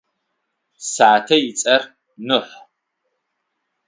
Сятэ ыцӏэр Нухь.